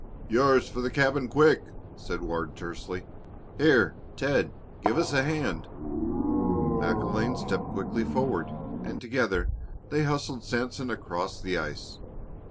"Yours for the cabin, quick!" said Ward, tersely. "Here, Ted, give us a hand." MacIlvaine stepped quickly forward, and together they hustled Sanson across the ice.